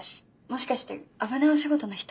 もしかして危ないお仕事の人？